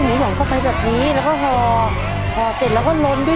เหมือนสองเพื่อนพ่อเล่นเขาแข่งกันเองอ่ะ